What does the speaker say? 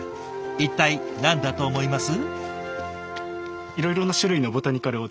一体何だと思います？